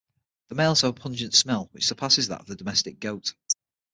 The males have a pungent smell, which surpasses that of the domestic goat.